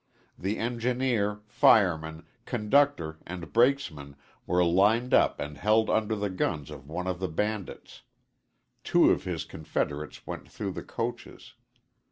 The engineer, fireman, conductor and brakesmen were lined up and held under the guns of one of the bandits. Two of his confederates went through the coaches.